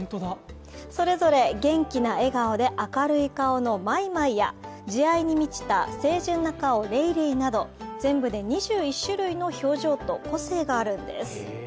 それぞれ元気な笑顔で、明るい顔のまいまいや慈愛に満ちた清純な顔、れいれいなど全部で２１種類の顔と個性があるんです。